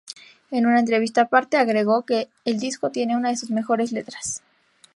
En una entrevista aparte, agregó que el disco tiene "una de sus mejores letras".